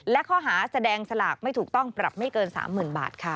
และข้อหาแสดงสลากไม่ถูกต้องปรับไม่เกิน๓๐๐๐บาทค่ะ